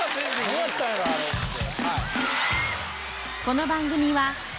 何やったんやろあれって。